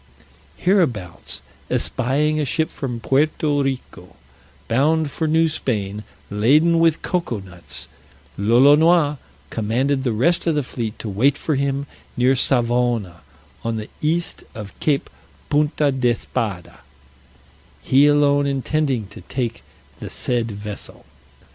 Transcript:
Hereabouts espying a ship from Puerto Rico, bound for New Spain, laden with cocoa nuts, Lolonois commanded the rest of the fleet to wait for him near Savona, on the east of Cape Punta d'Espada, he alone intending to take the said vessel.